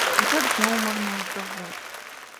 А так, зноў марнуецца год.